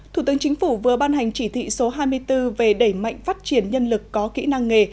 thủ tướng chính phủ vừa ban hành chỉ thị số hai mươi bốn về đẩy mạnh phát triển nhân lực có kỹ năng nghề